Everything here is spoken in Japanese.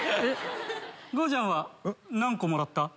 ごうちゃんは何個もらった？